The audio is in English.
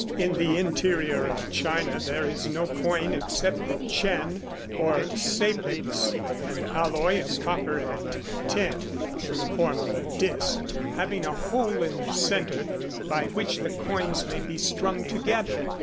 In the interior of China there is no coin except the chen, or sapeks, an alloy of copper and tin, in the form of a disk, having a hole in the center by which the coins may be strung together.